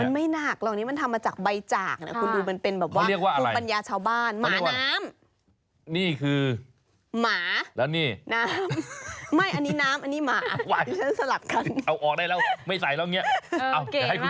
เอาอย่างนั้นแหละเหมือนมันไม่หนาวะหลังนี้มันทำมาจากใบจากนะ